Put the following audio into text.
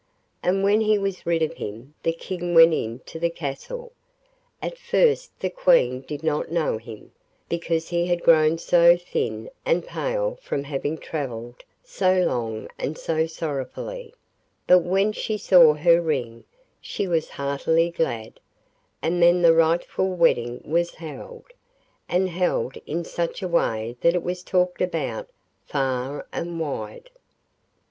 And when he was rid of him the King went into the castle. At first the Queen did not know him, because he had grown so thin and pale from having travelled so long and so sorrowfully; but when she saw her ring she was heartily glad, and then the rightful wedding was held, and held in such a way that it was talked about far and wide.